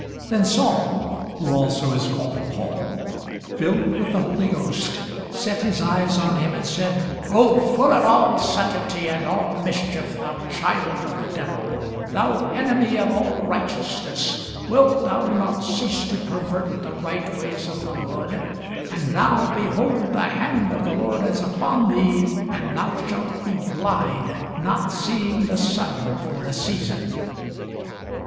Then Saul, (who also is called Paul,) filled with the Holy Ghost, set his eyes on him, and said, O full of all subtilty and all mischief, thou child of the devil, thou enemy of all righteousness, wilt thou not cease to pervert the right ways of the Lord? And now, behold, the hand of the Lord is upon thee, and thou shalt be blind, not seeing the sun for a season.